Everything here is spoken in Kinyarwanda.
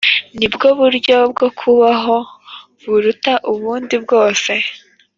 nibwo buryo bwo kubaho buruta ubundi bwose.